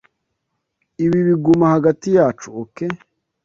Ibi biguma hagati yacu, OK?